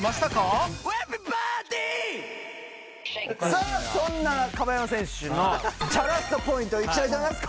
さあそんな樺山選手のチャラッソポイントいきたいと思います。